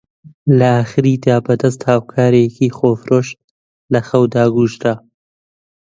لە ئاخریدا بە دەستی هاوکارێکی خۆفرۆش لە خەودا کوژرا